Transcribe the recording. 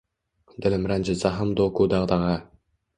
Dilim ranjitsa ham do’qu dag’dag’a